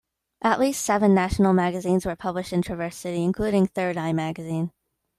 At least seven national magazines were published in Traverse City, including "Thirdeye Magazine".